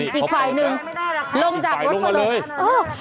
อีกฝ่ายนึงลงจากความโครว